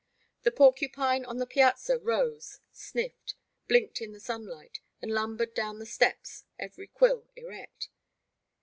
The porcupine on the piazza rose, sniffed, blinked in the sunlight, and lumbered down the steps, every quill erect.